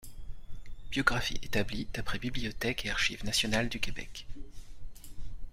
Biographie établie d'après Bibliothèque et Archives Nationales du Québec.